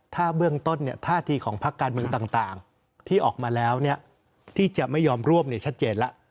ถ้าเบื้องต้นท่าทีของพักการเมืองต่างที่ออกมาแล้วที่จะไม่ยอมร่วมชัดเจนแล้ว